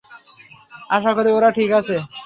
আশা করি, ওরা ঠিক আছে!